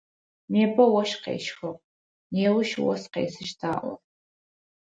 Непэ ощх къещхыгъ, неущ ос къесыщт аӏо.